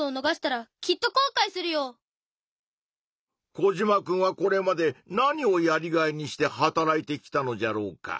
コジマくんはこれまで何をやりがいにして働いてきたのじゃろうか？